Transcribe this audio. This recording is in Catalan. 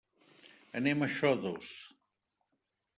Anem a Xodos.